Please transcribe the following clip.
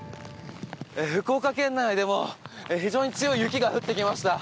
福岡県内でも非常に強い雪が降ってきました。